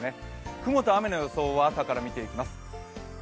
雲と雨の予想を朝から見ていきます。